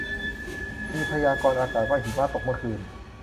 มีพยากรณ์อากาศว่าหิมะตกเมื่อคืน